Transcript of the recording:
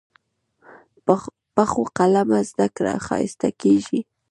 پخو قلمه زده کړه ښایسته کېږي